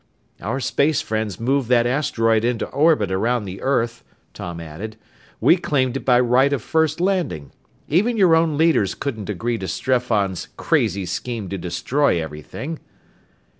"Our space friends moved that asteroid into orbit around the earth," Tom added. "We claimed it by right of first landing. Even your own leaders couldn't agree to Streffan's crazy scheme to destroy everything."